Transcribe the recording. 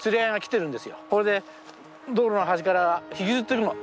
それで道路の端から引きずってるの。